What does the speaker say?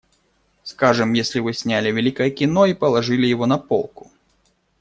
Скажем, если вы сняли великое кино и положили его на полку.